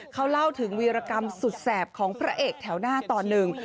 เขาเล่าถึงวีรกรรมสุดแสบของพระเอกแถวหน้าตอนหนึ่ง